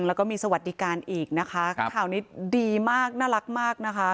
แล้วก็มีสวัสดิการอีกนะคะข่าวนี้ดีมากน่ารักมากนะคะ